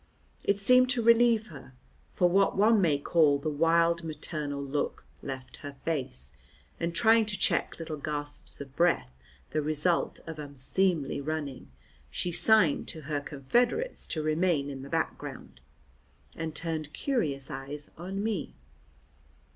It seemed to relieve her, for what one may call the wild maternal look left her face, and trying to check little gasps of breath, the result of unseemly running, she signed to her confederates to remain in the background, and turned curious eyes on me.